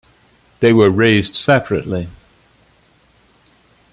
They were raised separately.